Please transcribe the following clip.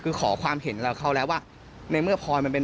คือขอความเห็นกับเขาแล้วว่าในเมื่อพลอยมันเป็น